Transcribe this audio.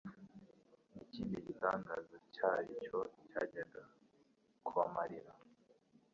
n'ikindi gitangaza ntacyo cyajyaga kubamarira.